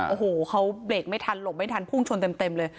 โอ้โหเขาเบรกไม่ทันหลบไม่ทันพุ่งชนเต็มเลย